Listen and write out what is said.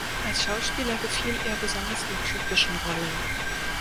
Als Schauspieler gefiel er besonders in typischen Rollen.